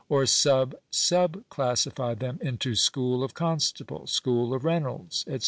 or sub sub classify them into " school " of Constable, " school " of Reynolds, etc.